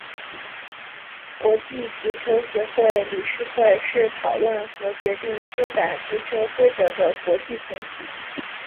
国际足球协会理事会是讨论和决定修改足球规则的国际团体。